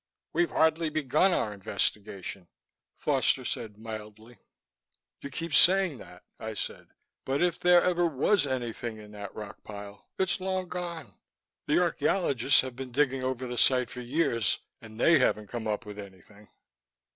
"We've hardly begun our investigation," Foster said mildly. "You keep saying that," I said. "But if there ever was anything in that rock pile, it's long gone. The archaeologists have been digging over the site for years, and they haven't come up with anything."